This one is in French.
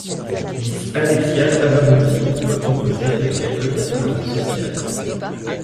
Miss Alexia Tarabotti doit composer avec quelques contraintes sociales.